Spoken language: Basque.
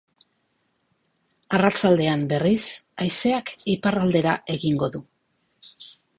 Arratsaldean, berriz, haizeak iparraldera egingo du.